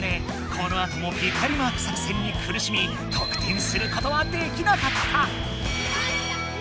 このあともピッタリマーク作戦にくるしみ得点することはできなかった。